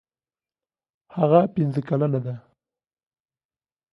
هغه پنځه کلنه ده.